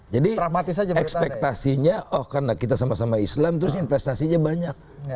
jadi ekspektasinya oh karena kita sama sama islam terus investasinya banyak